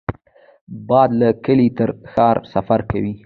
باد له کلي تر ښار سفر کوي